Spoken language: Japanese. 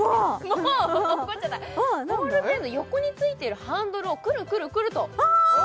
ボールペンの横についてるハンドルをくるくるくるとわあ！